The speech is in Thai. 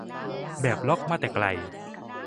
แบบล็อกมาแต่ไกล